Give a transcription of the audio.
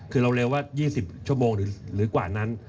คือเราเร็วว่า๒๐ชั่วโมงหรือกว่านั้น